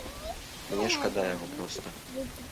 Мне шкада яго проста.